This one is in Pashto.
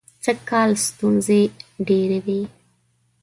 سږکال ستونزې ډېرې وې.